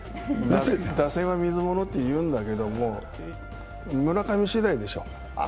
打線は水物っていうんだけど、村上しだいでしょう。